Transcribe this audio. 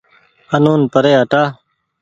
آنون پري هٽآ